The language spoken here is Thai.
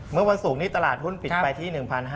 เมื่อวันศุกร์นี้ตลาดหุ้นปิดไปที่๑๕๐